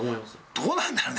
どうなんだろうね？